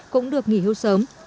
cũng được nghỉ hưu sớm